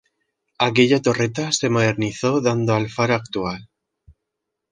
Aquella torreta se modernizó dando al faro actual.